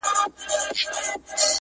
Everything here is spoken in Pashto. o تر پردي زوى مو دا خپله پکه لور ښه ده!